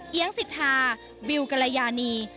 เอียงสิทธาบิลกรยานี